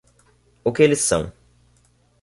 O que eles são